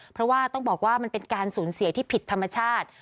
เพราะว่าต้องบอกว่ามันเป็นการสูญเสียที่ผิดธรรมชาติ